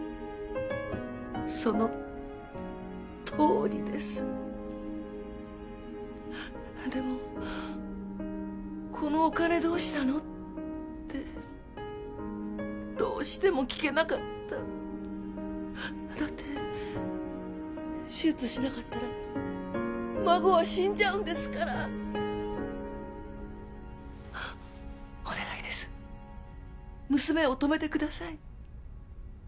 そのとおりですでもこのお金どうしたの？ってどうしても聞けなかっただって手術しなかったら孫は死んじゃうんですからお願いです娘を止めてください